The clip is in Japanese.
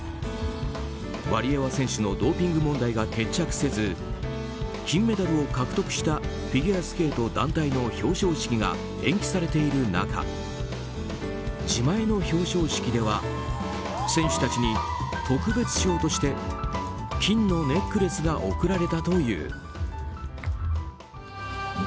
ワリエワ選手のドーピング問題が決着せず金メダルを獲得したフィギュアスケート団体の表彰式が延期されている中自前の表彰式では選手たちに特別賞として金のネックレスが贈られたという。